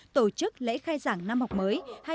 tổ chức lễ khai giảng năm học mới